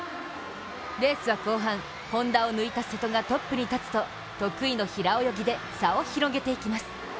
レースは後半、本多を抜いた瀬戸がトップに立つと得意の平泳ぎで差を広げていきます。